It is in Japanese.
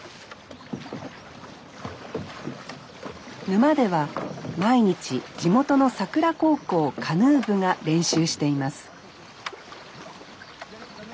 沼では毎日地元の佐倉高校カヌー部が練習しています